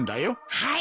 はい。